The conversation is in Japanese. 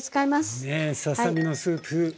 ねえささ身のスープ。